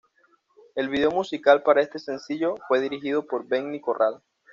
El video musical para este sencillo fue dirigido por Benny Corral.